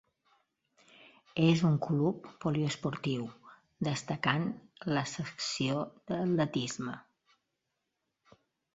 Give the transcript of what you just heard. És un club poliesportiu, destacant la secció d'atletisme.